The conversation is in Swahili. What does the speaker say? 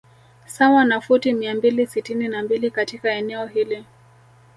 Sawa na futi mia mbili sitini na mbili katika eneo hili